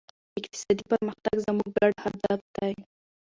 اقتصادي پرمختګ زموږ ګډ هدف دی.